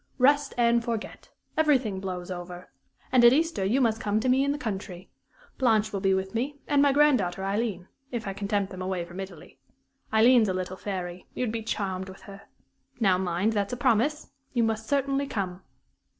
"Rest and forget. Everything blows over. And at Easter you must come to me in the country. Blanche will be with me, and my granddaughter Aileen, if I can tempt them away from Italy. Aileen's a little fairy; you'd be charmed with her. Now mind, that's a promise. You must certainly come."